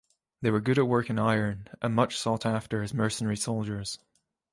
They were good at working iron and much sought after as mercenary soldiers.